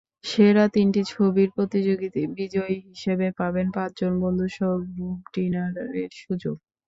সেরা তিনটি ছবির প্রতিযোগী বিজয়ী হিসেবে পাবেন পাঁচজন বন্ধুসহ গ্রুপ ডিনারের সুযোগ।